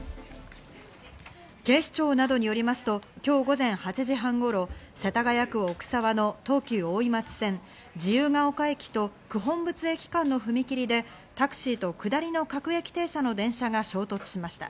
警視庁などによりますと今日午前８時半頃、世田谷区奥沢の東急大井町線、自由が丘駅と九品仏駅間の踏み切りで、タクシーと下りの各駅停車の電車が衝突しました。